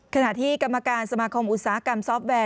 ขณะที่กรรมการสมาคมอุตสาหกรรมซอฟต์แวร์